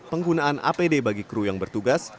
penggunaan apd bagi kru yang bertugas